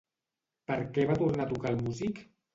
Per què va tornar a tocar el músic?